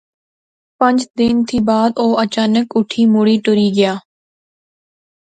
پانج دن تھی بعد او اچانک اٹھی مڑی ٹری گیا